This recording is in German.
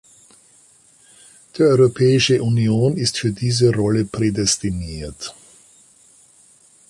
Die Europäische Union ist für diese Rolle prädestiniert.